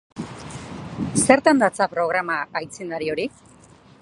Zertan datza programa aitzindari hori?